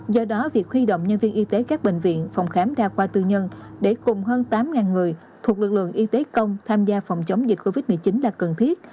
do đó việc huy động nhân viên y tế các bệnh viện phòng khám đa khoa tư nhân để cùng hơn tám người thuộc lực lượng y tế công tham gia phòng chống dịch covid một mươi chín là cần thiết